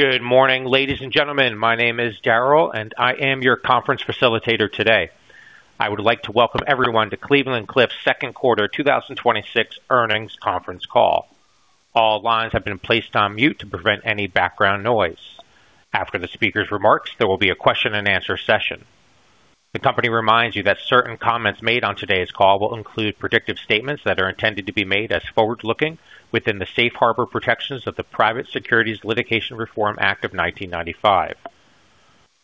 Good morning, ladies and gentlemen. My name is Daryl, and I am your conference facilitator today. I would like to welcome everyone to Cleveland-Cliffs' second quarter 2026 earnings conference call. All lines have been placed on mute to prevent any background noise. After the speaker's remarks, there will be a question-and-answer session. The company reminds you that certain comments made on today's call will include predictive statements that are intended to be made as forward-looking within the safe harbor protections of the Private Securities Litigation Reform Act of 1995.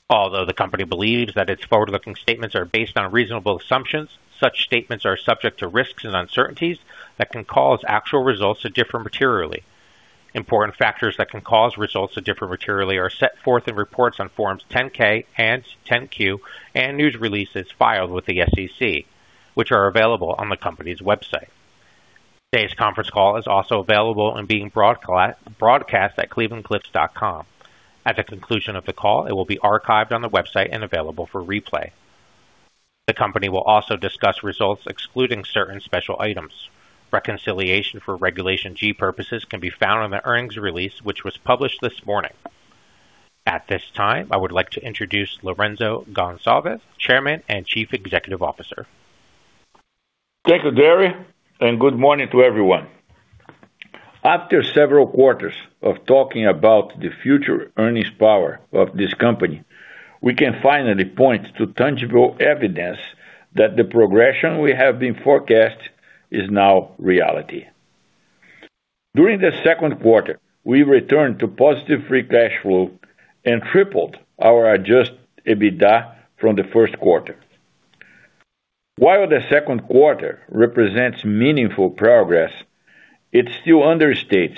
Although the company believes that its forward-looking statements are based on reasonable assumptions, such statements are subject to risks and uncertainties that can cause actual results to differ materially. Important factors that can cause results to differ materially are set forth in reports on Forms 10-K and 10-Q and news releases filed with the SEC, which are available on the company's website. Today's conference call is also available and being broadcast at clevelandcliffs.com. At the conclusion of the call, it will be archived on the website and available for replay. The company will also discuss results excluding certain special items. Reconciliation for Regulation G purposes can be found on the earnings release, which was published this morning. At this time, I would like to introduce Lourenco Goncalves, Chairman and Chief Executive Officer. Thank you, Daryl, and good morning to everyone. After several quarters of talking about the future earnings power of this company, we can finally point to tangible evidence that the progression we have been forecasting is now reality. During the second quarter, we returned to positive free cash flow and tripled our adjusted EBITDA from the first quarter. While the second quarter represents meaningful progress, it still understates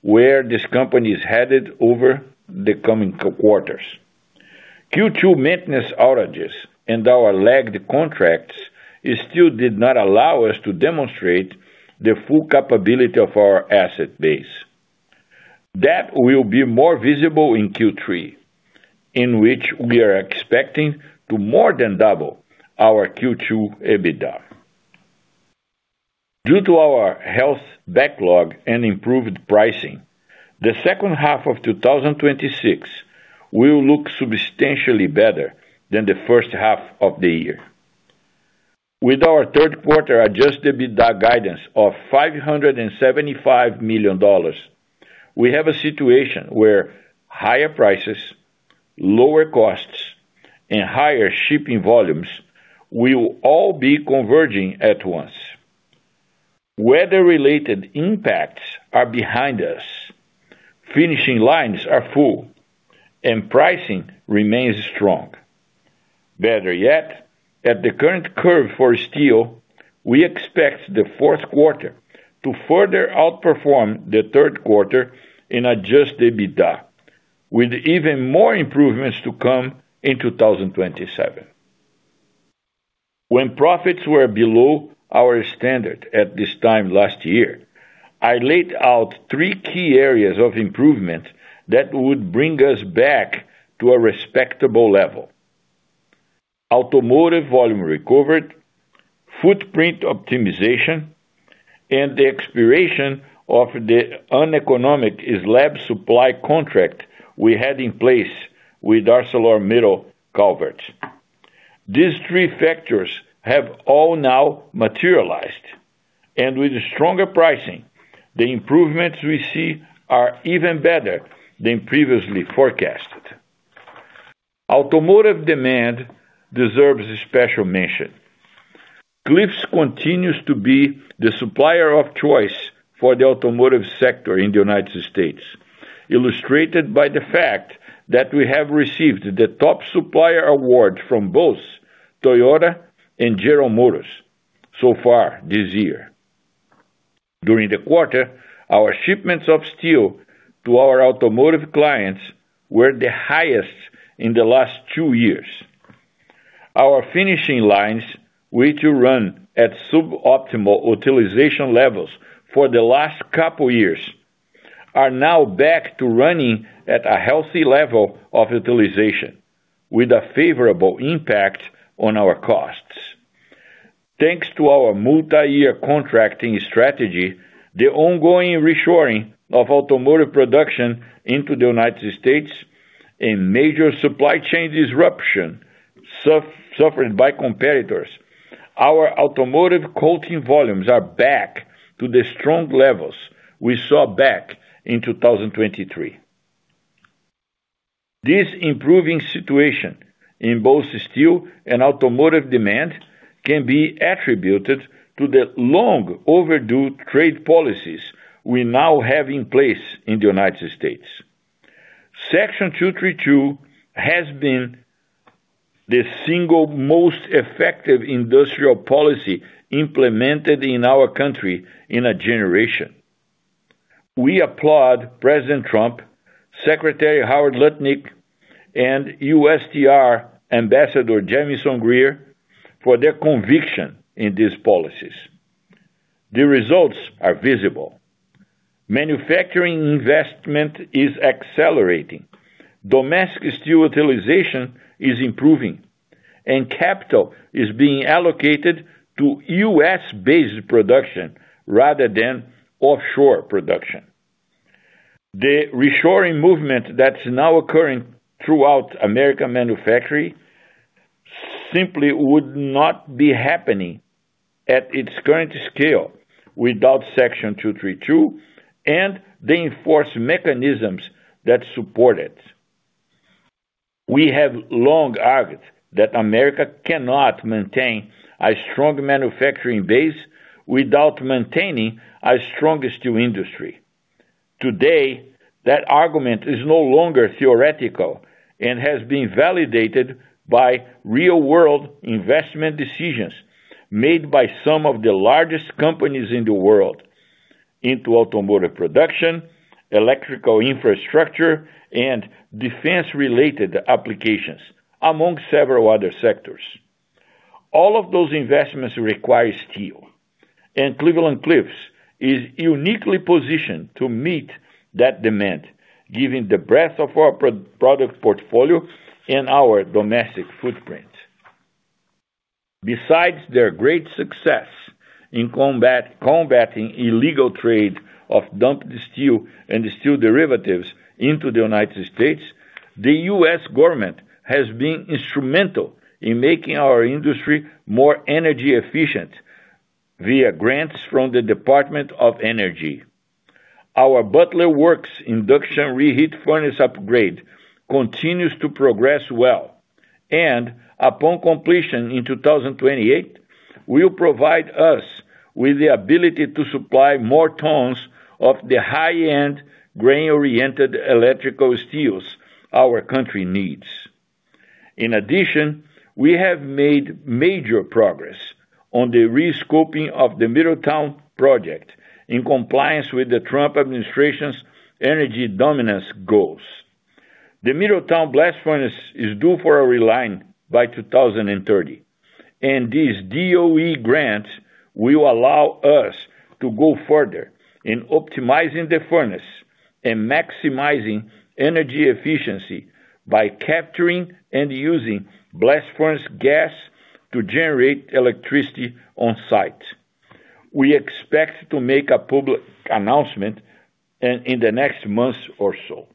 where this company is headed over the coming quarters. Q2 maintenance outages and our lagged contracts still did not allow us to demonstrate the full capability of our asset base. That will be more visible in Q3, in which we are expecting to more than double our Q2 EBITDA. Due to our health backlog and improved pricing, the second half of 2026 will look substantially better than the first half of the year. With our third quarter adjusted EBITDA guidance of $575 million, we have a situation where higher prices, lower costs, and higher shipping volumes will all be converging at once. Weather-related impacts are behind us. Finishing lines are full, and pricing remains strong. Better yet, at the current curve for steel, we expect the fourth quarter to further outperform the third quarter in adjusted EBITDA, with even more improvements to come in 2027. When profits were below our standard at this time last year, I laid out three key areas of improvement that would bring us back to a respectable level. Automotive volume recovered, footprint optimization, and the expiration of the uneconomic slab supply contract we had in place with ArcelorMittal Calvert. These three factors have all now materialized, and with stronger pricing, the improvements we see are even better than previously forecasted. Automotive demand deserves special mention. Cliffs continues to be the supplier of choice for the automotive sector in the United States, illustrated by the fact that we have received the top supplier award from both Toyota and General Motors so far this year. During the quarter, our shipments of steel to our automotive clients were the highest in the last two years. Our finishing lines, which run at suboptimal utilization levels for the last couple of years, are now back to running at a healthy level of utilization with a favorable impact on our costs. Thanks to our multi-year contracting strategy, the ongoing reshoring of automotive production into the United States, and major supply chain disruption suffered by competitors, our automotive coating volumes are back to the strong levels we saw back in 2023. This improving situation in both steel and automotive demand can be attributed to the long overdue trade policies we now have in place in the United States. Section 232 has been the single most effective industrial policy implemented in our country in a generation. We applaud President Trump, Secretary Howard Lutnick, and USTR Ambassador Jamieson Greer for their conviction in these policies. The results are visible. Manufacturing investment is accelerating. Domestic steel utilization is improving. Capital is being allocated to U.S.-based production rather than offshore production. The reshoring movement that's now occurring throughout American manufacturing simply would not be happening at its current scale without Section 232 and the enforced mechanisms that support it. We have long argued that America cannot maintain a strong manufacturing base without maintaining a strong steel industry. Today, that argument is no longer theoretical and has been validated by real-world investment decisions made by some of the largest companies in the world into automotive production, electrical infrastructure, and defense-related applications, among several other sectors. All of those investments require steel, and Cleveland-Cliffs is uniquely positioned to meet that demand, given the breadth of our product portfolio and our domestic footprint. Besides their great success in combating illegal trade of dumped steel and steel derivatives into the United States, the U.S. government has been instrumental in making our industry more energy efficient via grants from the Department of Energy. Our Butler Works induction reheat furnace upgrade continues to progress well, and upon completion in 2028, will provide us with the ability to supply more tons of the high-end, grain-oriented electrical steels our country needs. In addition, we have made major progress on the re-scoping of the Middletown project in compliance with the Trump administration's energy dominance goals. The Middletown blast furnace is due for a reline by 2030, and this DOE grant will allow us to go further in optimizing the furnace and maximizing energy efficiency by capturing and using blast furnace gas to generate electricity on-site. We expect to make a public announcement in the next month or so.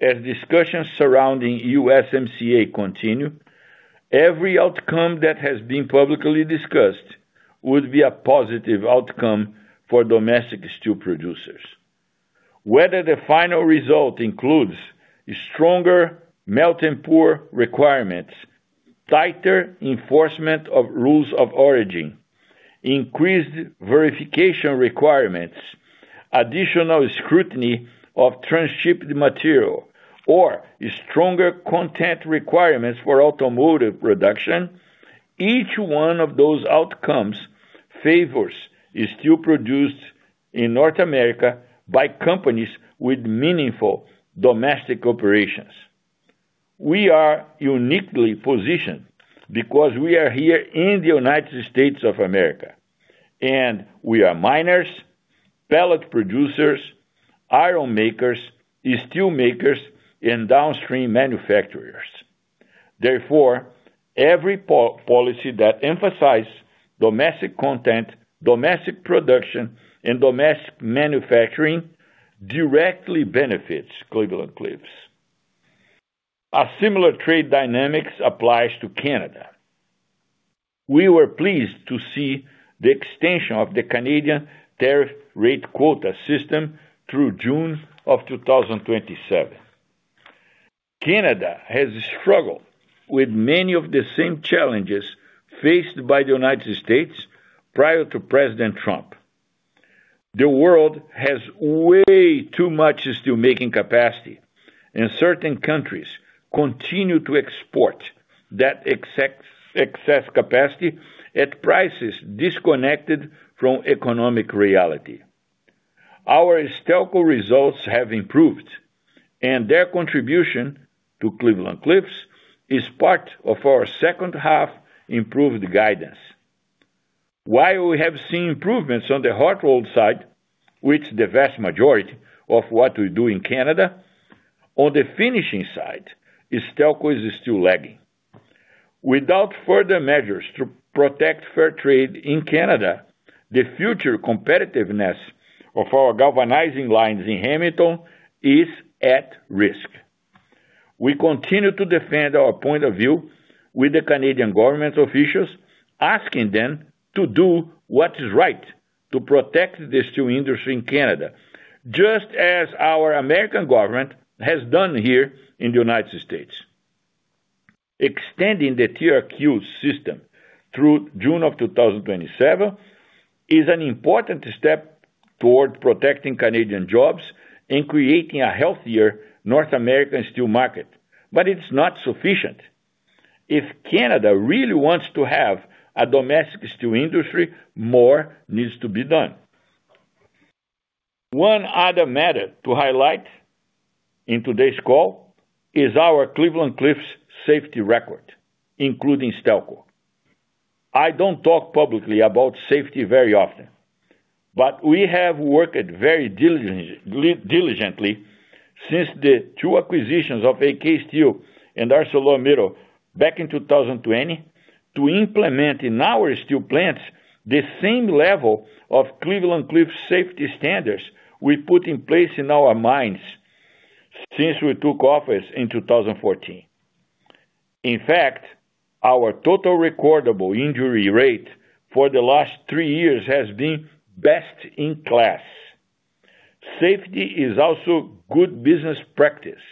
As discussions surrounding USMCA continue, every outcome that has been publicly discussed would be a positive outcome for domestic steel producers. Whether the final result includes stronger melt and pour requirements, tighter enforcement of rules of origin, increased verification requirements, additional scrutiny of transshipped material, or stronger content requirements for automotive production, each one of those outcomes favors steel produced in North America by companies with meaningful domestic operations. We are uniquely positioned because we are here in the U.S. and we are miners, pellet producers, iron makers, steel makers, and downstream manufacturers. Therefore, every policy that emphasizes domestic content, domestic production, and domestic manufacturing directly benefits Cleveland-Cliffs. A similar trade dynamic applies to Canada. We were pleased to see the extension of the Canadian tariff rate quota system through June of 2027. Canada has struggled with many of the same challenges faced by the United States prior to President Trump. The world has way too much steelmaking capacity, and certain countries continue to export that excess capacity at prices disconnected from economic reality. Our Stelco results have improved, and their contribution to Cleveland-Cliffs is part of our second half improved guidance. While we have seen improvements on the hot roll side, which the vast majority of what we do in Canada, on the finishing side, Stelco is still lagging. Without further measures to protect fair trade in Canada, the future competitiveness of our galvanizing lines in Hamilton is at risk. We continue to defend our point of view with the Canadian government officials, asking them to do what is right to protect the steel industry in Canada, just as our American government has done here in the United States. Extending the TRQ system through June of 2027 is an important step toward protecting Canadian jobs and creating a healthier North American steel market, but it's not sufficient. If Canada really wants to have a domestic steel industry, more needs to be done. One other matter to highlight in today's call is our Cleveland-Cliffs safety record, including Stelco. I don't talk publicly about safety very often, but we have worked very diligently since the two acquisitions of AK Steel and ArcelorMittal back in 2020 to implement in our steel plants the same level of Cleveland-Cliffs safety standards we put in place in our mines since we took office in 2014. In fact, our total recordable injury rate for the last three years has been best in class. Safety is also good business practice.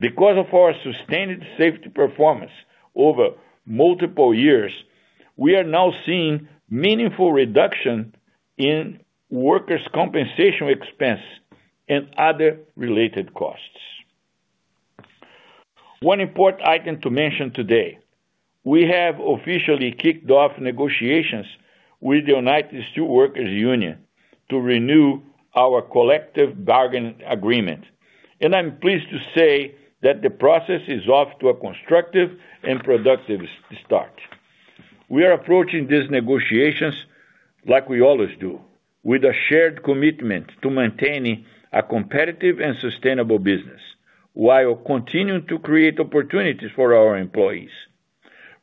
Because of our sustained safety performance over multiple years, we are now seeing meaningful reduction in workers' compensation expense and other related costs. One important item to mention today, we have officially kicked off negotiations with the United Steelworkers Union to renew our collective bargain agreement, and I'm pleased to say that the process is off to a constructive and productive start. We are approaching these negotiations like we always do, with a shared commitment to maintaining a competitive and sustainable business while continuing to create opportunities for our employees.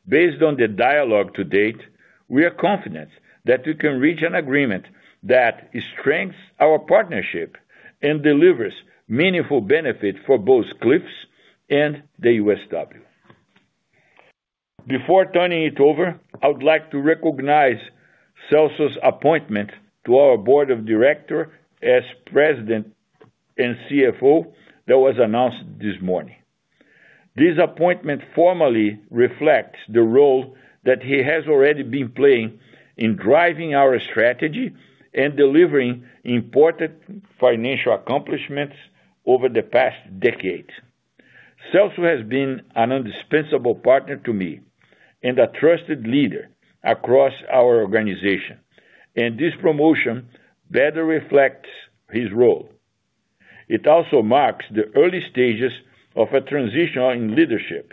Based on the dialogue to date, we are confident that we can reach an agreement that strengthens our partnership and delivers meaningful benefit for both Cliffs and the USW. Before turning it over, I would like to recognize Celso's appointment to our board of directors as President and CFO that was announced this morning. This appointment formally reflects the role that he has already been playing in driving our strategy and delivering important financial accomplishments over the past decade. Celso has been an indispensable partner to me and a trusted leader across our organization, and this promotion better reflects his role. It also marks the early stages of a transition in leadership.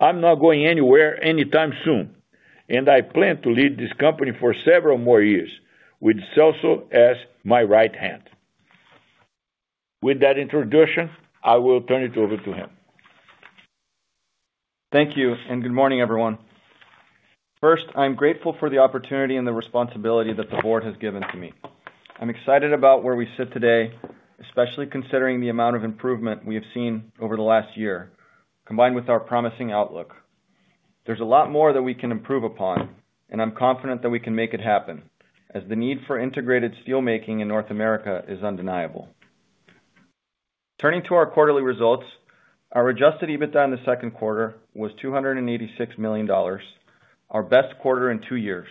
I'm not going anywhere anytime soon, and I plan to lead this company for several more years with Celso as my right hand. With that introduction, I will turn it over to him. Thank you, and good morning, everyone. First, I'm grateful for the opportunity and the responsibility that the board has given to me. I'm excited about where we sit today, especially considering the amount of improvement we have seen over the last year, combined with our promising outlook. There's a lot more that we can improve upon, and I'm confident that we can make it happen, as the need for integrated steel making in North America is undeniable. Turning to our quarterly results, our adjusted EBITDA in the second quarter was $286 million, our best quarter in two years.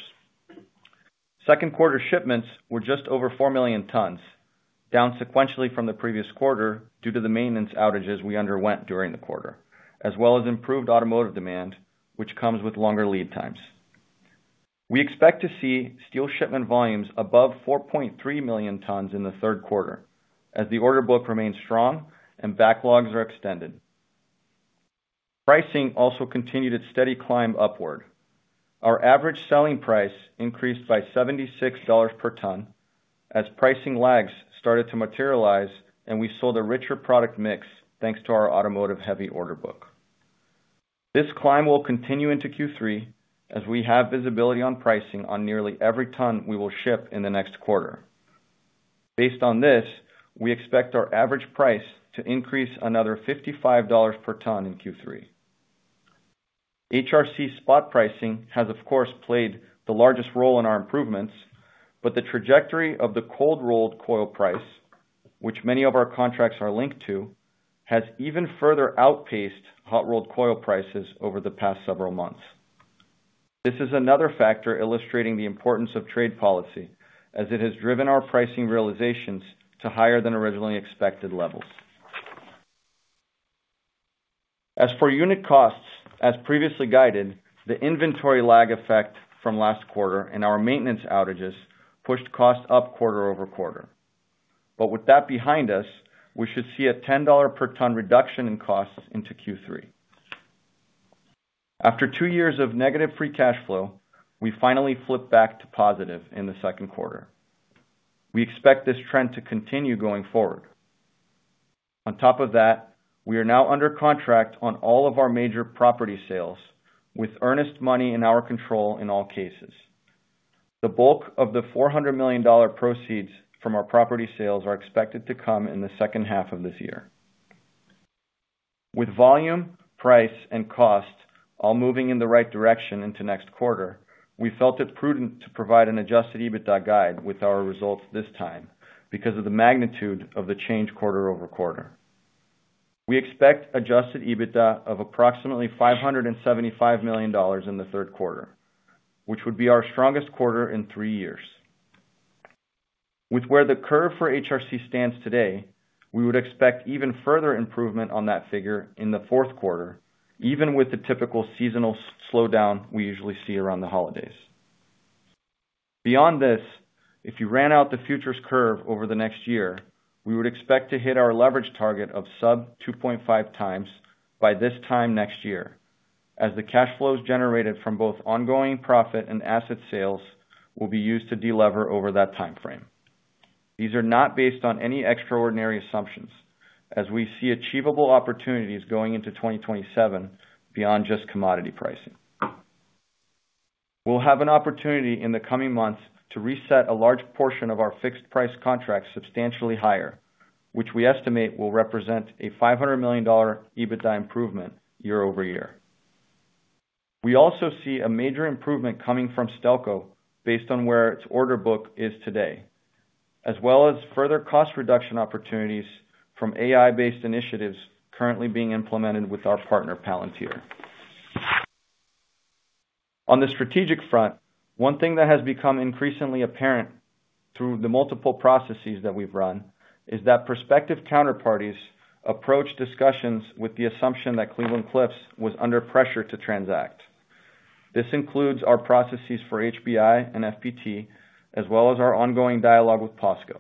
Second quarter shipments were just over 4 million tons, down sequentially from the previous quarter due to the maintenance outages we underwent during the quarter, as well as improved automotive demand, which comes with longer lead times. We expect to see steel shipment volumes above 4.3 million tons in the third quarter, as the order book remains strong and backlogs are extended. Pricing also continued its steady climb upward. Our average selling price increased by $76 per ton as pricing lags started to materialize, and we sold a richer product mix, thanks to our automotive-heavy order book. This climb will continue into Q3, as we have visibility on pricing on nearly every ton we will ship in the next quarter. Based on this, we expect our average price to increase another $55 per ton in Q3. HRC spot pricing has, of course, played the largest role in our improvements, but the trajectory of the cold rolled coil price, which many of our contracts are linked to, has even further outpaced hot rolled coil prices over the past several months. This is another factor illustrating the importance of trade policy, as it has driven our pricing realizations to higher than originally expected levels. As for unit costs, as previously guided, the inventory lag effect from last quarter and our maintenance outages pushed costs up quarter-over-quarter. With that behind us, we should see a $10 per ton reduction in costs into Q3. After two years of negative free cash flow, we finally flipped back to positive in the second quarter. We expect this trend to continue going forward. On top of that, we are now under contract on all of our major property sales, with earnest money in our control in all cases. The bulk of the $400 million proceeds from our property sales are expected to come in the second half of this year. With volume, price, and cost all moving in the right direction into next quarter, we felt it prudent to provide an adjusted EBITDA guide with our results this time because of the magnitude of the change quarter-over-quarter. We expect adjusted EBITDA of approximately $575 million in the third quarter, which would be our strongest quarter in three years. With where the curve for HRC stands today, we would expect even further improvement on that figure in the fourth quarter, even with the typical seasonal slowdown we usually see around the holidays. Beyond this, if you ran out the futures curve over the next year, we would expect to hit our leverage target of sub 2.5x by this time next year, as the cash flows generated from both ongoing profit and asset sales will be used to delever over that timeframe. These are not based on any extraordinary assumptions, as we see achievable opportunities going into 2027 beyond just commodity pricing. We'll have an opportunity in the coming months to reset a large portion of our fixed price contracts substantially higher, which we estimate will represent a $500 million EBITDA improvement year-over-year. We also see a major improvement coming from Stelco based on where its order book is today, as well as further cost reduction opportunities from AI-based initiatives currently being implemented with our partner, Palantir. On the strategic front, one thing that has become increasingly apparent through the multiple processes that we've run is that prospective counterparties approach discussions with the assumption that Cleveland-Cliffs was under pressure to transact. This includes our processes for HBI and FPT, as well as our ongoing dialogue with POSCO.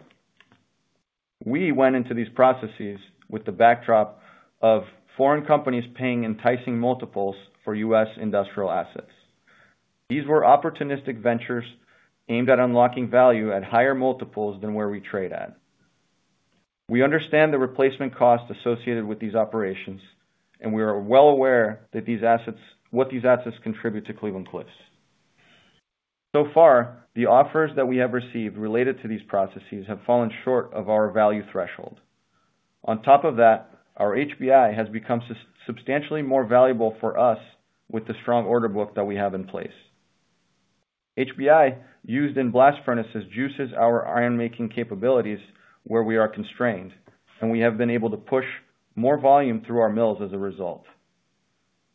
We went into these processes with the backdrop of foreign companies paying enticing multiples for U.S. industrial assets. These were opportunistic ventures aimed at unlocking value at higher multiples than where we trade at. We understand the replacement cost associated with these operations, and we are well aware what these assets contribute to Cleveland-Cliffs. So far, the offers that we have received related to these processes have fallen short of our value threshold. On top of that, our HBI has become substantially more valuable for us with the strong order book that we have in place. HBI, used in blast furnaces, juices our iron-making capabilities where we are constrained, and we have been able to push more volume through our mills as a result.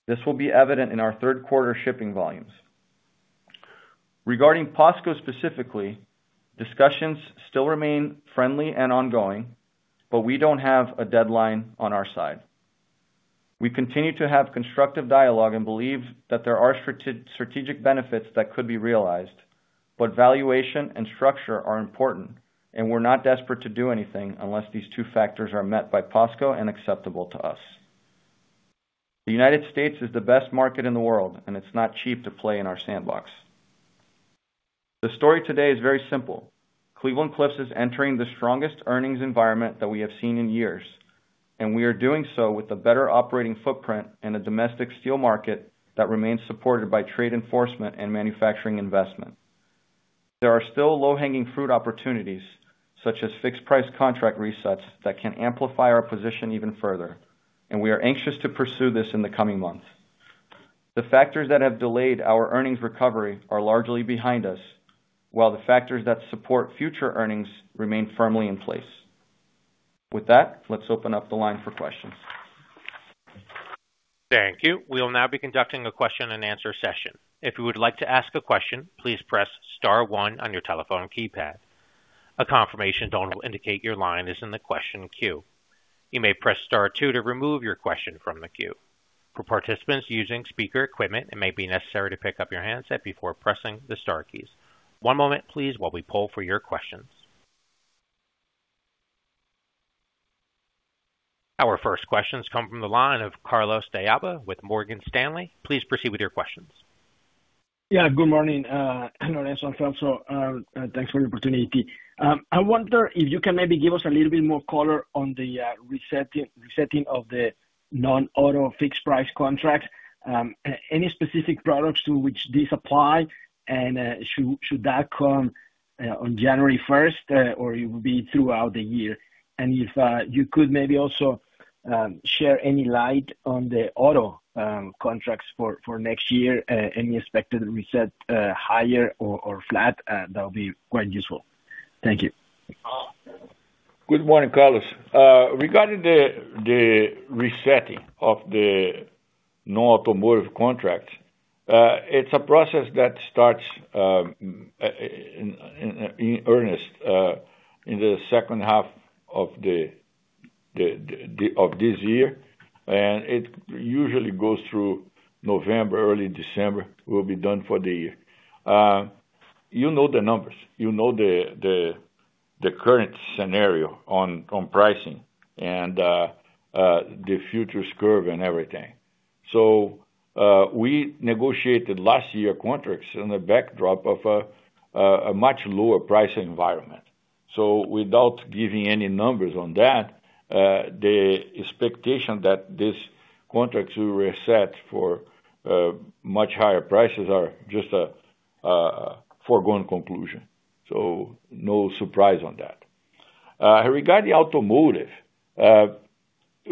This will be evident in our third quarter shipping volumes. Regarding POSCO specifically, discussions still remain friendly and ongoing, but we don't have a deadline on our side. We continue to have constructive dialogue and believe that there are strategic benefits that could be realized, but valuation and structure are important, and we're not desperate to do anything unless these two factors are met by POSCO and acceptable to us. The United States is the best market in the world, and it's not cheap to play in our sandbox. The story today is very simple. Cleveland-Cliffs is entering the strongest earnings environment that we have seen in years, and we are doing so with a better operating footprint in a domestic steel market that remains supported by trade enforcement and manufacturing investment. There are still low-hanging fruit opportunities, such as fixed price contract resets, that can amplify our position even further. We are anxious to pursue this in the coming months. The factors that have delayed our earnings recovery are largely behind us, while the factors that support future earnings remain firmly in place. With that, let's open up the line for questions. Thank you. We will now be conducting a question-and-answer session. If you would like to ask a question, please press star one on your telephone keypad. A confirmation tone will indicate your line is in the question queue. You may press star two to remove your question from the queue. For participants using speaker equipment, it may be necessary to pick up your handset before pressing the star keys. One moment, please, while we poll for your questions. Our first questions come from the line of Carlos De Alba with Morgan Stanley. Please proceed with your questions. Yeah, good morning, Lourenco and Celso. Thanks for the opportunity. I wonder if you can maybe give us a little bit more color on the resetting of the non-auto fixed price contract. Any specific products to which this apply, should that come on January 1st, or it will be throughout the year? If you could maybe also share any light on the auto contracts for next year, any expected reset, higher or flat? That would be quite useful. Thank you. Good morning, Carlos. Regarding the resetting of the non-automotive contract, it's a process that starts in earnest in the second half of this year. It usually goes through November, early December, will be done for the year. You know the numbers. You know the current scenario on pricing and the futures curve and everything. We negotiated last year contracts in the backdrop of a much lower price environment. Without giving any numbers on that, the expectation that these contracts will reset for much higher prices are just a foregone conclusion. No surprise on that. Regarding automotive.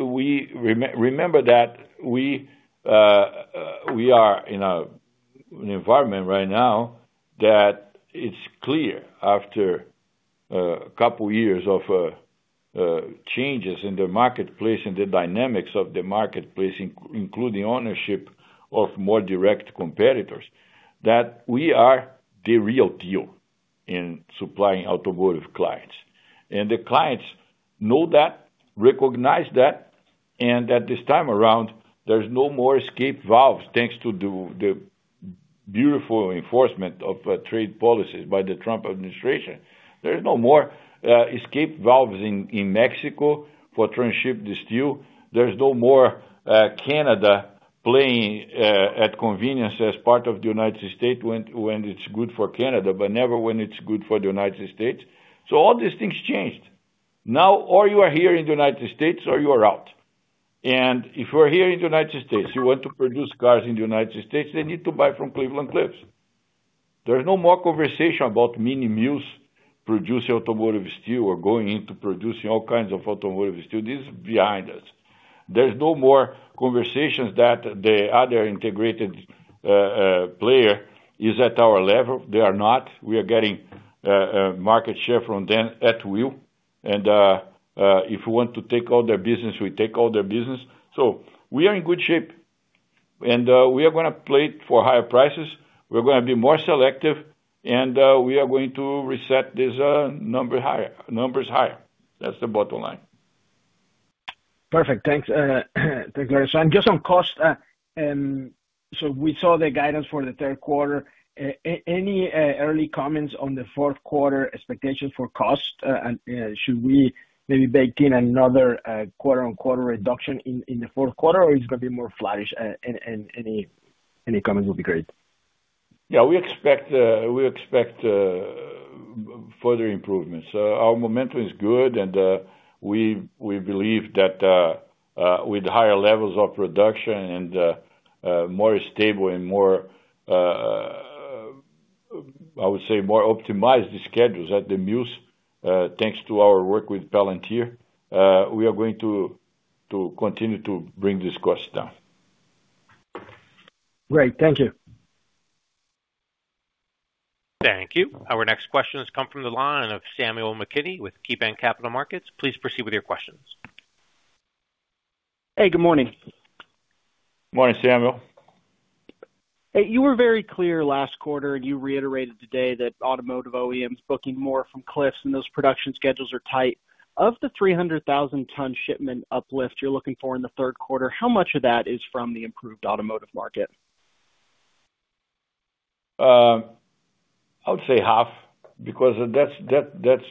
Remember that we are in an environment right now that it's clear after a couple of years of changes in the marketplace and the dynamics of the marketplace, including ownership of more direct competitors, that we are the real deal in supplying automotive clients. The clients know that, recognize that, and that this time around, there's no more escape valves thanks to the beautiful enforcement of trade policies by the Trump administration. There is no more escape valves in Mexico for transship the steel. There's no more Canada playing at convenience as part of the United States when it's good for Canada, but never when it's good for the United States. All these things changed. Now, or you are here in the United States or you are out. If you are here in the United States, you want to produce cars in the United States, they need to buy from Cleveland-Cliffs. There is no more conversation about mini mills producing automotive steel or going into producing all kinds of automotive steel. This is behind us. There's no more conversations that the other integrated player is at our level. They are not. We are getting market share from them at will, and, if we want to take all their business, we take all their business. We are in good shape and we are going to play for higher prices. We're going to be more selective, and we are going to reset these numbers higher. That's the bottom line. Perfect. Just on cost. We saw the guidance for the third quarter. Any early comments on the fourth quarter expectations for cost? Should we maybe bake in another quarter-on-quarter reduction in the fourth quarter, or it's going to be more flattish? Any comments would be great. Yeah, we expect further improvements. Our momentum is good and we believe that with higher levels of production and more stable and more optimized schedules at the mills, thanks to our work with Palantir, we are going to continue to bring these costs down. Great. Thank you. Thank you. Our next question has come from the line of Samuel McKinney with KeyBanc Capital Markets. Please proceed with your questions. Hey, good morning. Morning, Samuel. Hey, you were very clear last quarter, and you reiterated today that automotive OEMs booking more from Cliffs and those production schedules are tight. Of the 300,000 ton shipment uplift you're looking for in the third quarter, how much of that is from the improved automotive market? I would say half, because that's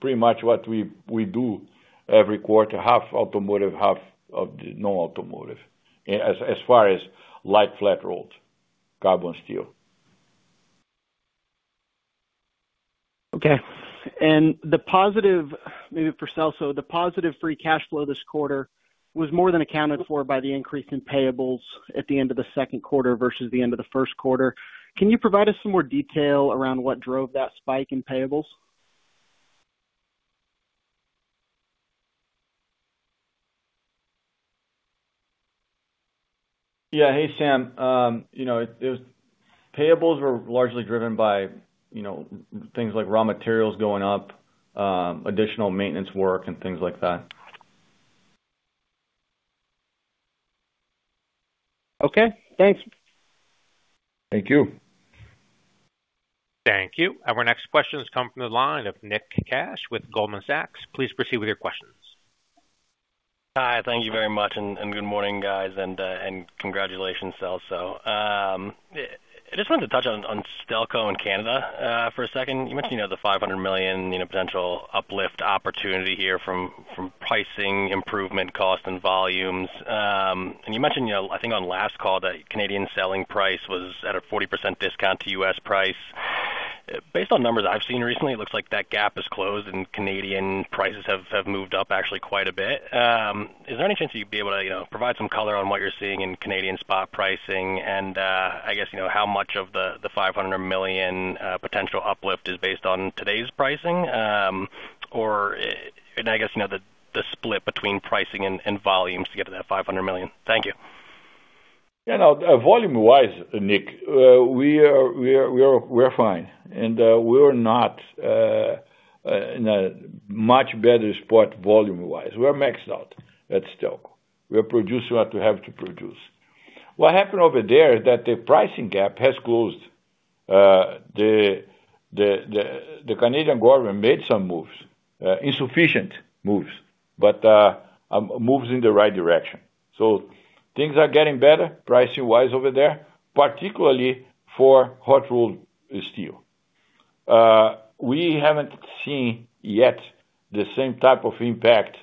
pretty much what we do every quarter, half automotive, half of the no automotive. As far as light flat rolled carbon steel. Okay. Maybe for Celso, the positive free cash flow this quarter was more than accounted for by the increase in payables at the end of the second quarter versus the end of the first quarter. Can you provide us some more detail around what drove that spike in payables? Yeah. Hey, Sam. Payables were largely driven by things like raw materials going up, additional maintenance work and things like that. Okay, thanks. Thank you. Thank you. Our next question has come from the line of Nick Cash with Goldman Sachs. Please proceed with your questions. Hi, thank you very much. Good morning, guys, and congratulations Celso. I just wanted to touch on Stelco and Canada for a second. You mentioned the $500 million potential uplift opportunity here from pricing improvement, cost, and volumes. You mentioned, I think on last call that Canadian selling price was at a 40% discount to U.S. price. Based on numbers I've seen recently, it looks like that gap has closed and Canadian prices have moved up actually quite a bit. Is there any chance you'd be able to provide some color on what you're seeing in Canadian spot pricing and, I guess, how much of the $500 million potential uplift is based on today's pricing? I guess, the split between pricing and volumes to get to that $500 million. Thank you. Volume wise, Nick, we're fine. We're not in a much better spot volume wise. We're maxed out at Stelco. We are producing what we have to produce. What happened over there is that the pricing gap has closed. The Canadian government made some moves, insufficient moves, but moves in the right direction. Things are getting better pricing wise over there, particularly for hot rolled steel. We haven't seen yet the same type of impact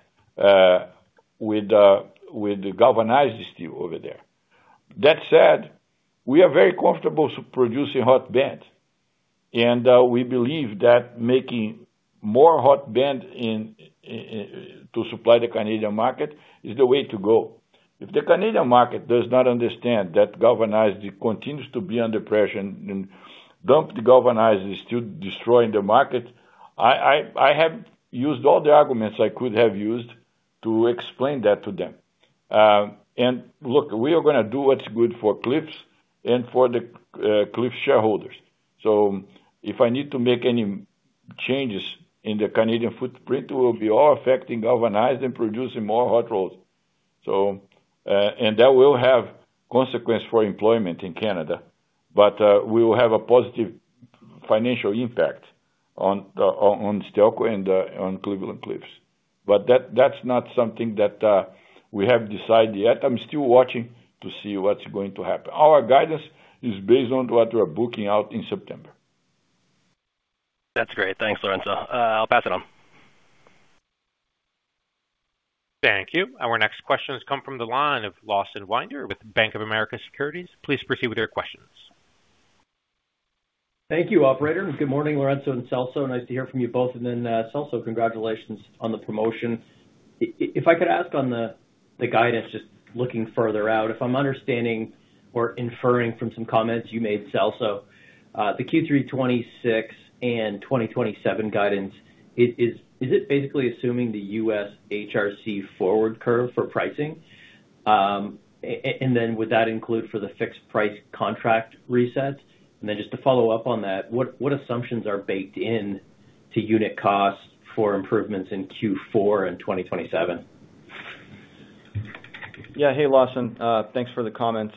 with the galvanized steel over there. That said, we are very comfortable producing hot band, and we believe that making more hot band to supply the Canadian market is the way to go. If the Canadian market does not understand that galvanized continues to be under pressure and dump the galvanized steel, destroying the market, I have used all the arguments I could have used to explain that to them. Look, we are going to do what's good for Cliffs and for the Cliffs shareholders. If I need to make any changes in the Canadian footprint, it will be all affecting galvanized and producing more hot rolls. That will have consequence for employment in Canada. We will have a positive financial impact on Stelco and on Cleveland-Cliffs. That's not something that we have decided yet. I'm still watching to see what's going to happen. Our guidance is based on what we're booking out in September. That's great. Thanks, Lourenco. I'll pass it on. Thank you. Our next question has come from the line of Lawson Winder with Bank of America Securities. Please proceed with your questions. Thank you, operator, good morning, Lourenco and Celso. Nice to hear from you both. Celso, congratulations on the promotion. If I could ask on the guidance, just looking further out, if I'm understanding or inferring from some comments you made, Celso, the Q3 2026 and 2027 guidance, is it basically assuming the U.S. HRC forward curve for pricing? Would that include for the fixed price contract resets? Just to follow up on that, what assumptions are baked in to unit costs for improvements in Q4 and 2027? Hey, Lawson. Thanks for the comments.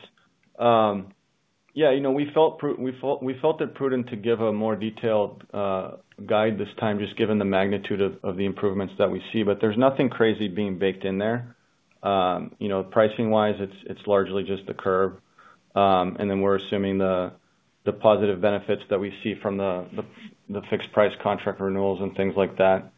We felt it prudent to give a more detailed guide this time, just given the magnitude of the improvements that we see. There's nothing crazy being baked in there. Pricing wise, it's largely just the curve. We're assuming the positive benefits that we see from the fixed price contract renewals and things like that.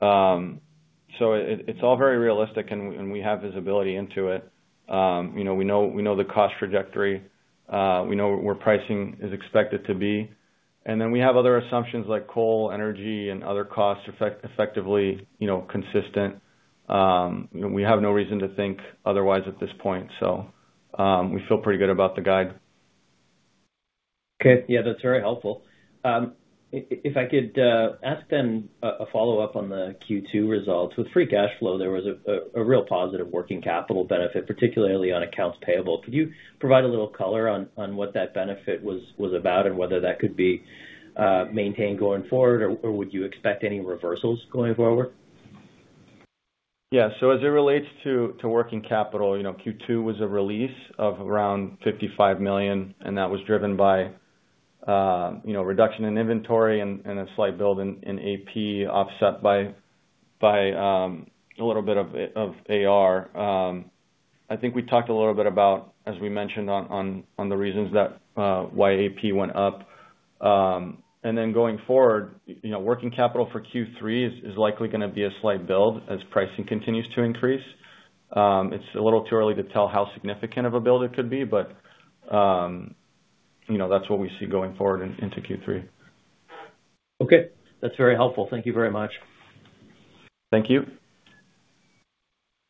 It's all very realistic, and we have visibility into it. We know the cost trajectory. We know where pricing is expected to be. We have other assumptions like coal, energy, and other costs effectively consistent. We have no reason to think otherwise at this point, we feel pretty good about the guide. That's very helpful. If I could ask then a follow-up on the Q2 results. With free cash flow, there was a real positive working capital benefit, particularly on accounts payable. Could you provide a little color on what that benefit was about and whether that could be maintained going forward, or would you expect any reversals going forward? Yeah. As it relates to working capital, Q2 was a release of around $55 million, and that was driven by reduction in inventory and a slight build in AP offset by a little bit of AR. I think we talked a little bit about, as we mentioned, on the reasons why AP went up. Going forward, working capital for Q3 is likely going to be a slight build as pricing continues to increase. It's a little too early to tell how significant of a build it could be, that's what we see going forward into Q3. Okay. That's very helpful. Thank you very much. Thank you.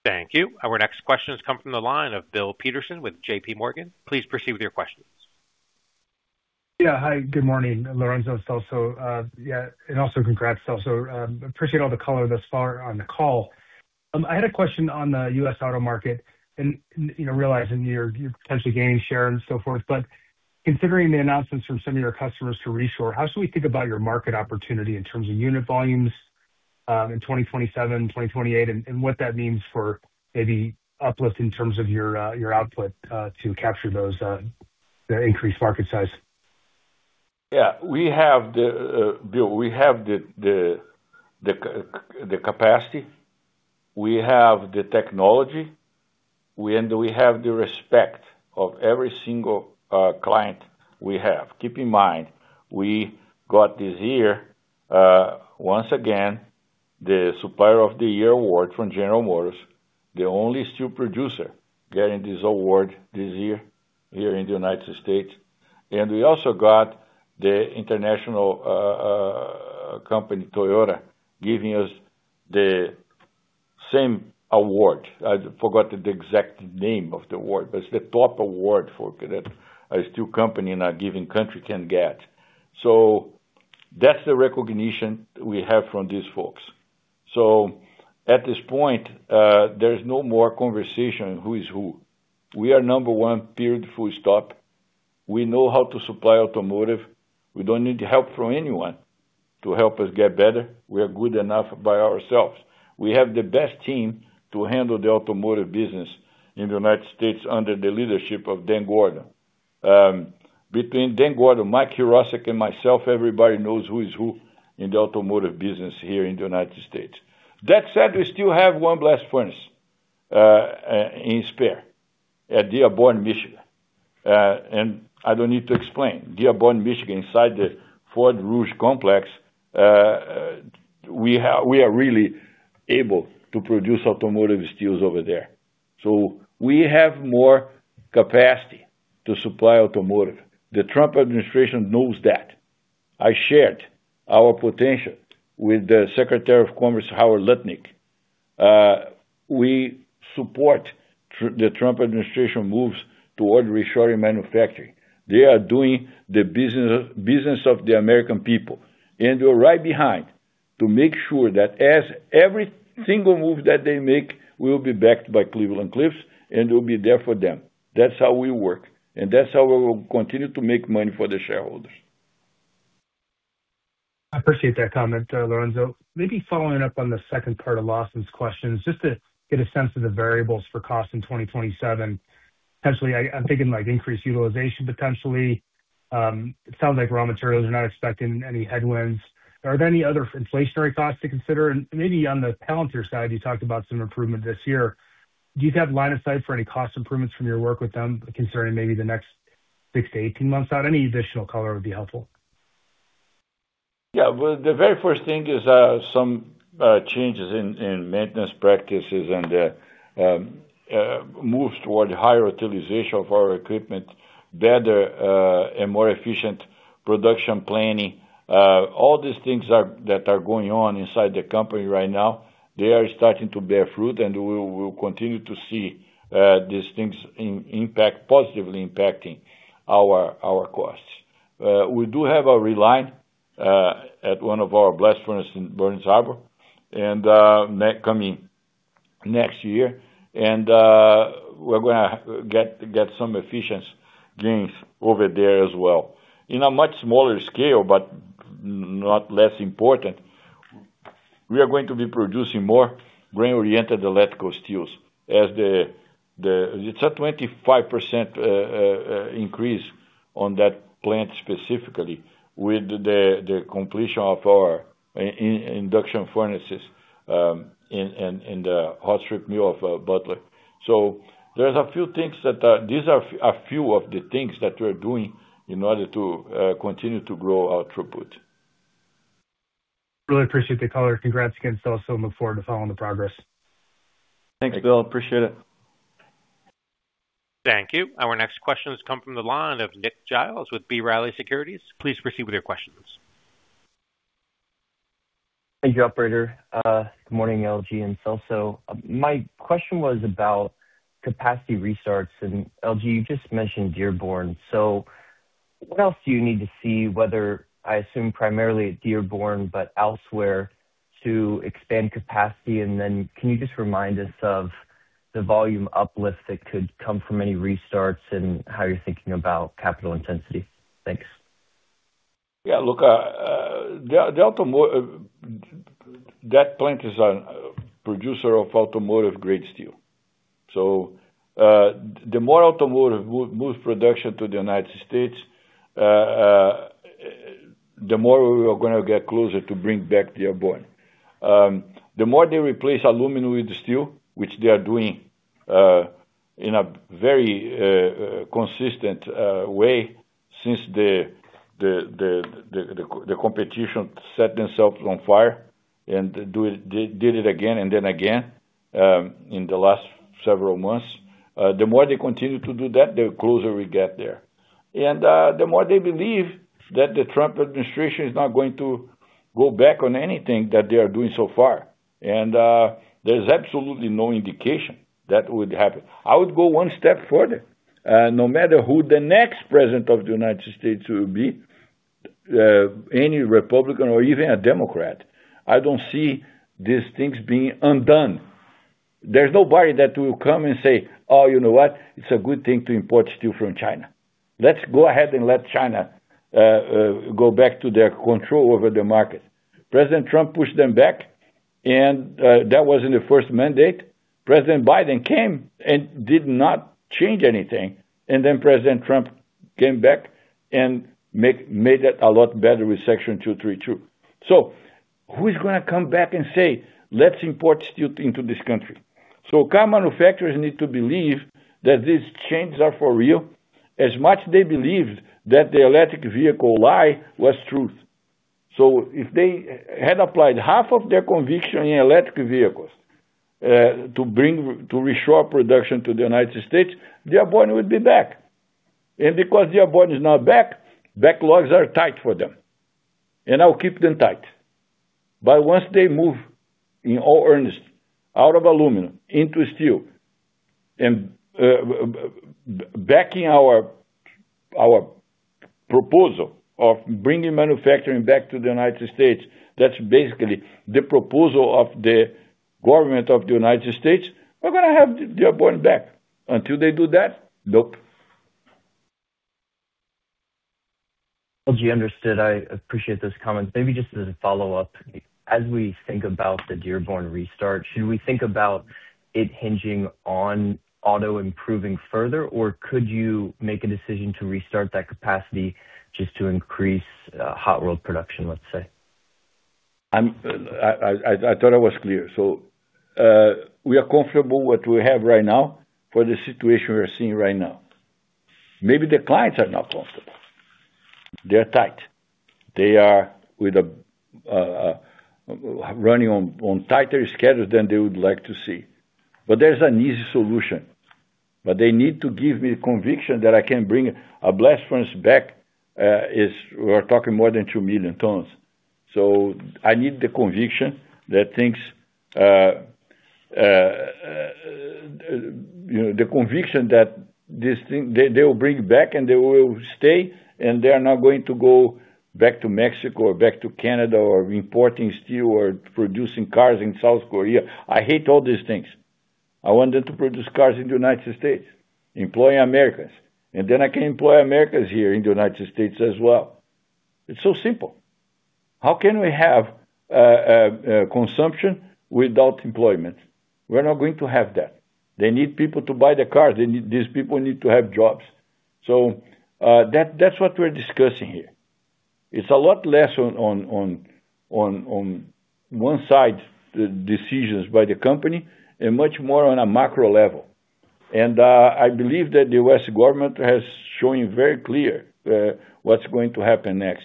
Thank you. Our next question has come from the line of Bill Peterson with JPMorgan. Please proceed with your questions. Hi, good morning, Lourenco and Celso. Also congrats, Celso. Appreciate all the color thus far on the call. I had a question on the U.S. auto market and realizing you're potentially gaining share and so forth, but considering the announcements from some of your customers to reshore, how should we think about your market opportunity in terms of unit volumes in 2027, 2028, and what that means for maybe uplift in terms of your output to capture those increased market size? Bill, we have the capacity, we have the technology, and we have the respect of every single client we have. Keep in mind, we got this year, once again, the Supplier of the Year award from General Motors, the only steel producer getting this award this year here in the U.S. We also got the international company, Toyota, giving us the same award. I forgot the exact name of the award, but it's the top award a steel company in a given country can get. That's the recognition we have from these folks. At this point, there's no more conversation who is who. We are number one, period, full stop. We know how to supply automotive. We don't need help from anyone to help us get better. We are good enough by ourselves. We have the best team to handle the automotive business in the U.S. under the leadership of Dan Gordon. Between Dan Gordon, Mike Hrosik, and myself, everybody knows who is who in the automotive business here in the U.S. That said, we still have one blast furnace in spare at Dearborn, Michigan. I don't need to explain. Dearborn, Michigan, inside the Ford Rouge complex, we are really able to produce automotive steels over there. We have more capacity to supply automotive. The Trump administration knows that. I shared our potential with the Secretary of Commerce, Howard Lutnick. We support the Trump administration moves toward reshoring manufacturing. They are doing the business of the American people, and we're right behind to make sure that as every single move that they make will be backed by Cleveland-Cliffs, and we'll be there for them. That's how we work, and that's how we will continue to make money for the shareholders. I appreciate that comment, Lourenco. Maybe following up on the second part of Lawson's question, just to get a sense of the variables for cost in 2027. Potentially, I'm thinking increased utilization, potentially. It sounds like raw materials, you're not expecting any headwinds. Are there any other inflationary costs to consider? Maybe on the Palantir side, you talked about some improvement this year. Do you have line of sight for any cost improvements from your work with them concerning maybe the next 6-18 months out? Any additional color would be helpful. Well, the very first thing is some changes in maintenance practices and the move toward higher utilization of our equipment, better and more efficient production planning. All these things that are going on inside the company right now, they are starting to bear fruit, and we will continue to see these things positively impacting our costs. We do have a reline at one of our blast furnaces in Burns Harbor coming next year. We're going to get some efficient gains over there as well. In a much smaller scale, but not less important, we are going to be producing more grain-oriented electrical steels. It's a 25% increase on that plant specifically with the completion of our induction furnaces in the hot strip mill of Butler. These are a few of the things that we're doing in order to continue to grow our throughput. Really appreciate the color. Congrats again, Celso, look forward to following the progress. Thanks, Bill. Appreciate it. Thank you. Our next question has come from the line of Nick Giles with B. Riley Securities. Please proceed with your questions. Thank you, operator. Good morning, LG and Celso. My question was about capacity restarts. LG, you just mentioned Dearborn. What else do you need to see whether, I assume primarily at Dearborn, but elsewhere to expand capacity, then can you just remind us of the volume uplift that could come from any restarts and how you're thinking about capital intensity? Thanks. Yeah. Look, that plant is a producer of automotive-grade steel. The more automotive moves production to the United States, the more we are going to get closer to bring back Dearborn. The more they replace aluminum with steel, which they are doing in a very consistent way since the competition set themselves on fire and did it again then again in the last several months. The more they continue to do that, the closer we get there. The more they believe that the Trump administration is not going to go back on anything that they are doing so far. There's absolutely no indication that would happen. I would go one step further. No matter who the next President of the United States will be, any Republican or even a Democrat, I don't see these things being undone. There's nobody that will come and say, "Oh, you know what? It's a good thing to import steel from China. Let's go ahead and let China go back to their control over the market." President Trump pushed them back, that was in the first mandate. President Biden came and did not change anything, then President Trump came back and made that a lot better with Section 232. Who is going to come back and say, "Let's import steel into this country"? Car manufacturers need to believe that these changes are for real, as much as they believed that the electric vehicle lie was true. If they had applied half of their conviction in electric vehicles to restore production to the United States, Dearborn would be back. Because Dearborn is not back, backlogs are tight for them, and I'll keep them tight. Once they move in all earnest out of aluminum into steel and backing our proposal of bringing manufacturing back to the U.S., that's basically the proposal of the U.S. government, we're going to have Dearborn back. Until they do that, nope. LG, understood. I appreciate those comments. Maybe just as a follow-up. As we think about the Dearborn restart, should we think about it hinging on auto improving further, or could you make a decision to restart that capacity just to increase HRC production, let's say? I thought I was clear. We are comfortable with what we have right now for the situation we're seeing right now. Maybe the clients are not comfortable. They are tight. They are running on tighter schedules than they would like to see. There's an easy solution. They need to give me the conviction that I can bring a blast furnace back. We're talking more than 2 million tons. I need the conviction that they will bring back, and they will stay, and they are not going to go back to Mexico or back to Canada or importing steel or producing cars in South Korea. I hate all these things. I want them to produce cars in the U.S., employing Americans. Then I can employ Americans here in the U.S. as well. It's so simple. How can we have consumption without employment? We're not going to have that. They need people to buy the cars. These people need to have jobs. That's what we're discussing here. It's a lot less on one side, decisions by the company, and much more on a macro level. I believe that the U.S. government has shown very clear what's going to happen next.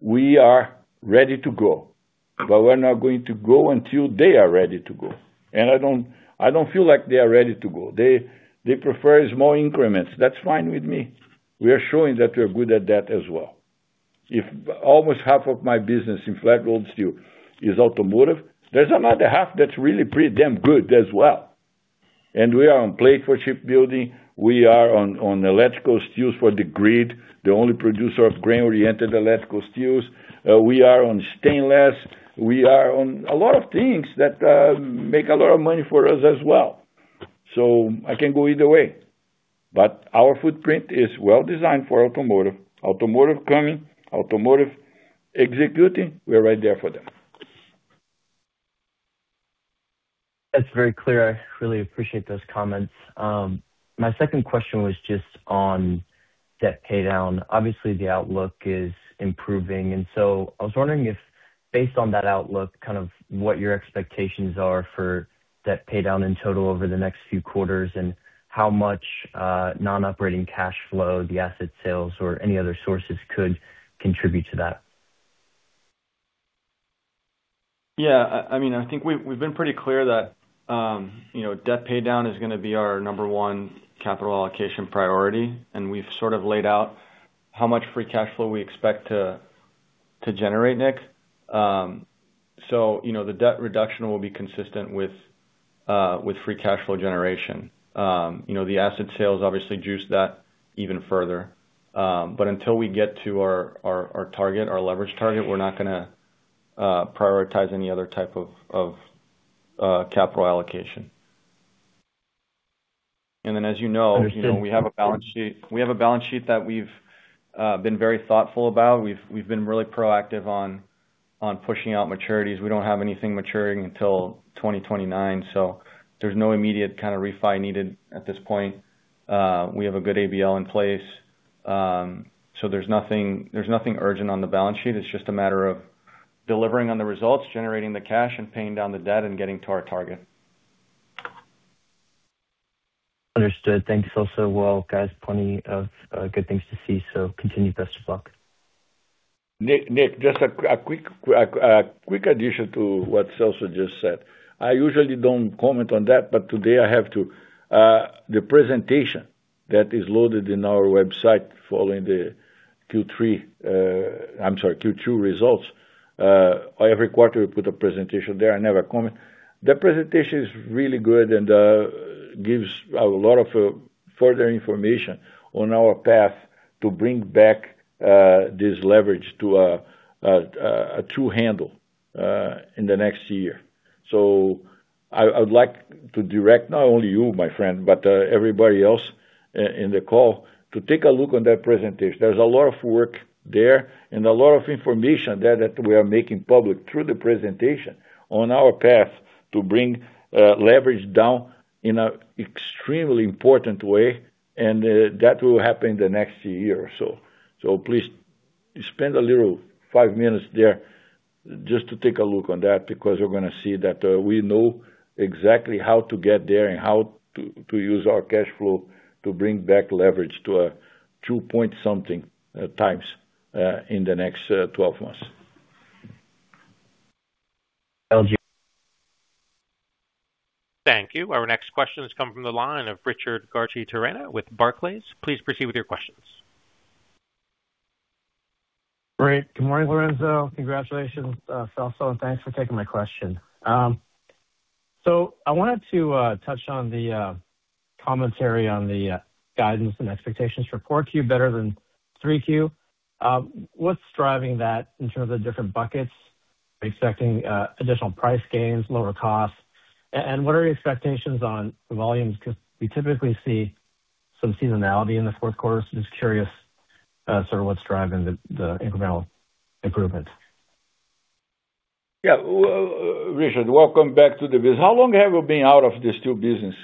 We are ready to go, but we're not going to go until they are ready to go. I don't feel like they are ready to go. They prefer small increments. That's fine with me. We are showing that we're good at that as well. If almost half of my business in flat-rolled steel is automotive, there's another half that's really pretty damn good as well. We are on plate for shipbuilding, we are on electrical steels for the grid, the only producer of grain-oriented electrical steels. We are on stainless. We are on a lot of things that make a lot of money for us as well. I can go either way, but our footprint is well-designed for automotive. Automotive coming, automotive executing, we are right there for them. That's very clear. I really appreciate those comments. My second question was just on debt paydown. Obviously, the outlook is improving, I was wondering if, based on that outlook, kind of what your expectations are for debt paydown in total over the next few quarters, and how much non-operating cash flow the asset sales or any other sources could contribute to that. Yeah. I think we've been pretty clear that debt paydown is going to be our number one capital allocation priority, we've sort of laid out how much free cash flow we expect to generate next. The debt reduction will be consistent with free cash flow generation. The asset sales obviously juice that even further. Until we get to our leverage target, we're not going to prioritize any other type of capital allocation. As you know. Understood We have a balance sheet that we've been very thoughtful about. We've been really proactive on pushing out maturities. We don't have anything maturing until 2029, there's no immediate kind of refi needed at this point. We have a good ABL in place. There's nothing urgent on the balance sheet. It's just a matter of delivering on the results, generating the cash, and paying down the debt and getting to our target. Understood. Thank you, Celso. Well, guys, plenty of good things to see. Continue. Best of luck. Nick, just a quick addition to what Celso just said. I usually don't comment on that, but today I have to. The presentation that is loaded in our website following the Q2 results. Every quarter we put a presentation there. I never comment. That presentation is really good and gives a lot of further information on our path to bring back this leverage to a true handle in the next year. I would like to direct, not only you, my friend, but everybody else in the call to take a look on that presentation. There's a lot of work there and a lot of information there that we are making public through the presentation on our path to bring leverage down in an extremely important way, and that will happen the next year or so. Please spend a little five minutes there just to take a look on that, because you're going to see that we know exactly how to get there and how to use our cash flow to bring back leverage to a two-point something times in the next 12 months. Sounds good. Thank you. Our next question is coming from the line of Richard Garchitorena with Barclays. Please proceed with your questions. Great. Good morning, Lourenco. Congratulations, Celso, and thanks for taking my question. I wanted to touch on the commentary on the guidance and expectations for Q4 better than Q3. What's driving that in terms of different buckets? Are you expecting additional price gains, lower costs? What are your expectations on the volumes? We typically see some seasonality in the fourth quarter. Just curious sort of what's driving the incremental improvements. Yeah. Richard, welcome back to the business. How long have you been out of this steel business?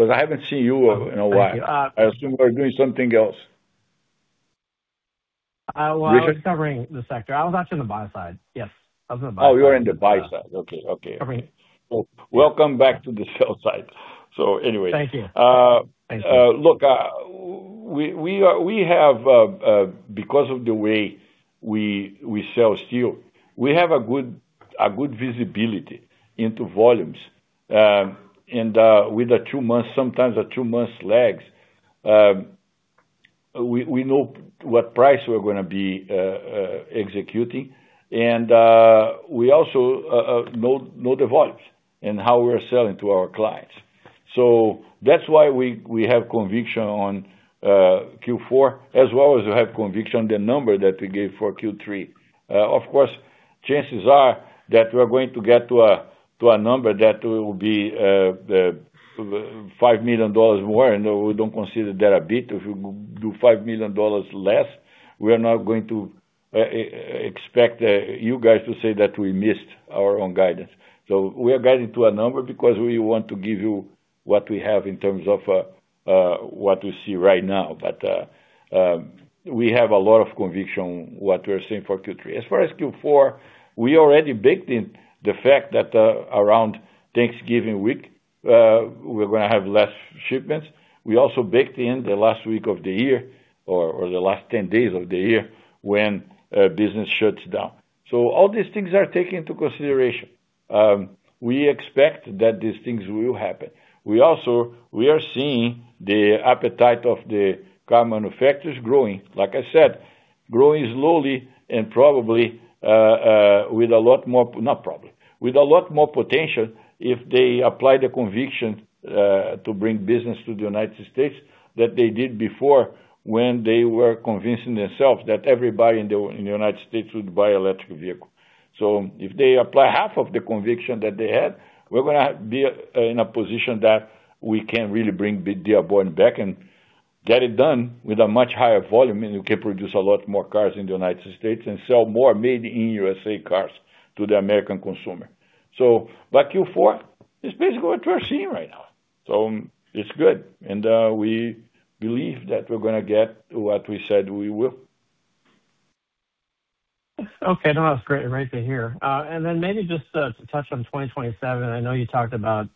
I haven't seen you in a while. Thank you. I assume you are doing something else, Richard. Well, I was covering the sector. I was actually on the buy side. Yes. I was on the buy side. Oh, you were in the buy side. Okay. I mean. Welcome back to the sell side. Anyway. Thank you. Look, because of the way we sell steel, we have a good visibility into volumes. With sometimes a two-month lag, we know what price we're going to be executing, and we also know the volumes and how we're selling to our clients. That's why we have conviction on Q4 as well as we have conviction the number that we gave for Q3. Of course, chances are that we're going to get to a number that will be $5 million more, and we don't consider that a beat. If you do $5 million less, we are not going to expect you guys to say that we missed our own guidance. We are guiding to a number because we want to give you what we have in terms of what we see right now. We have a lot of conviction what we are seeing for Q3. As far as Q4, we already baked in the fact that around Thanksgiving week, we're going to have less shipments. We also baked in the last week of the year or the last 10 days of the year when business shuts down. All these things are taken into consideration. We expect that these things will happen. We are seeing the appetite of the car manufacturers growing, like I said, growing slowly and probably, with a lot more Not probably, with a lot more potential if they apply the conviction to bring business to the United States that they did before when they were convincing themselves that everybody in the United States would buy electric vehicle. If they apply half of the conviction that they had, we're going to be in a position that we can really bring Dearborn back and get it done with a much higher volume, and you can produce a lot more cars in the U.S. and sell more made-in-USA. cars to the American consumer. Q4 is basically what we're seeing right now. It's good. We believe that we're going to get what we said we will. Okay. No, that's great and great to hear. Maybe just to touch on 2027, I know you talked about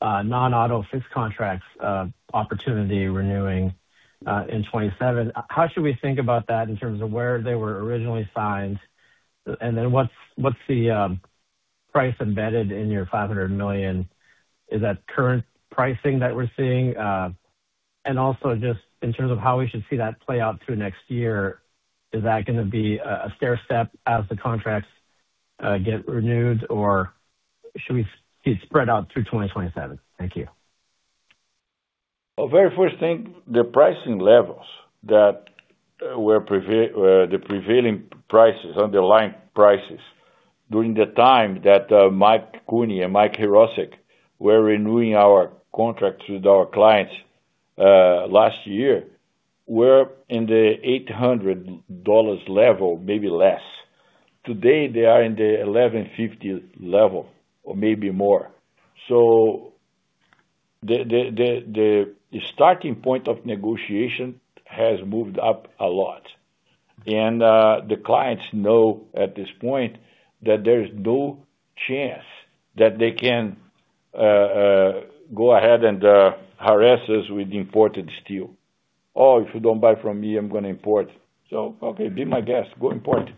non-auto fixed contracts opportunity renewing in 2027. How should we think about that in terms of where they were originally signed? What's the price embedded in your $500 million? Is that current pricing that we're seeing? Just in terms of how we should see that play out through next year, is that gonna be a stairstep as the contracts get renewed, or should we see it spread out through 2027? Thank you. Very first thing, the pricing levels that were the prevailing prices, underlying prices during the time that Michael Cooney and Michael Hrosik were renewing our contracts with our clients last year, were in the $800 level, maybe less. Today, they are in the $1,150 level or maybe more. The starting point of negotiation has moved up a lot. The clients know at this point that there's no chance that they can go ahead and harass us with imported steel. "Oh, if you don't buy from me, I'm going to import." Okay, be my guest. Go import.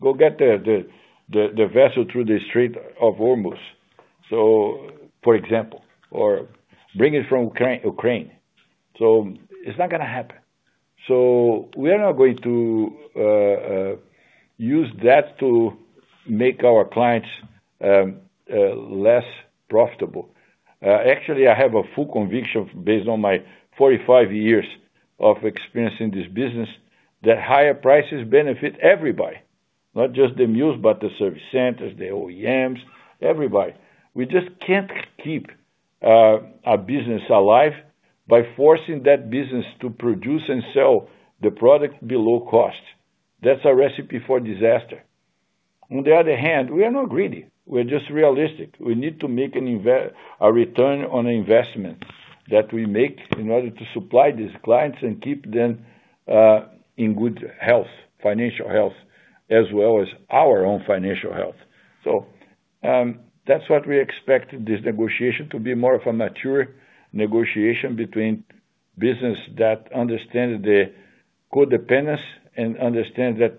Go get the vessel through the Strait of Hormuz, for example, or bring it from Ukraine. It's not gonna happen. We are not going to use that to make our clients less profitable. Actually, I have a full conviction based on my 45 years of experience in this business that higher prices benefit everybody, not just the mills, but the service centers, the OEMs, everybody. We just can't keep a business alive by forcing that business to produce and sell the product below cost. That's a recipe for disaster. On the other hand, we are not greedy. We're just realistic. We need to make a return on investment that we make in order to supply these clients and keep them in good health, financial health, as well as our own financial health. That's what we expect this negotiation to be more of a mature negotiation between business that understand the codependence and understand that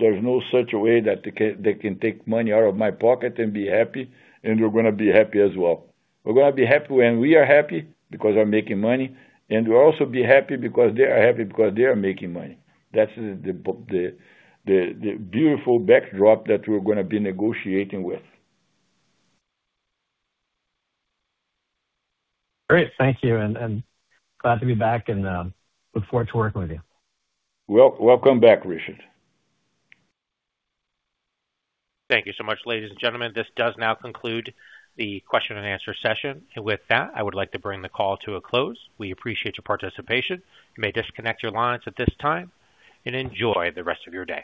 there's no such way that they can take money out of my pocket and be happy, and we're gonna be happy as well. We're gonna be happy when we are happy because we're making money, and we'll also be happy because they are happy because they are making money. That's the beautiful backdrop that we're gonna be negotiating with. Great. Thank you, glad to be back and look forward to working with you. Welcome back, Richard. Thank you so much, ladies and gentlemen. This does now conclude the question-and-answer session. With that, I would like to bring the call to a close. We appreciate your participation. You may disconnect your lines at this time, and enjoy the rest of your day.